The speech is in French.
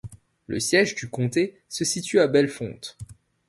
Le siège du comté se situe à Bellefonte.